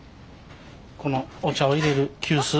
このお茶をいれる急須。